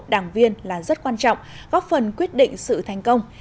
đảng viên là rất quan trọng góp phần quyết định sự thành công